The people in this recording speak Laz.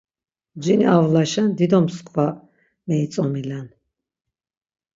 Cini Avlaşen dido msǩva meitzomilen.